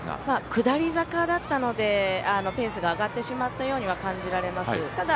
下り坂だったのでペースが上がってしまったように感じられます。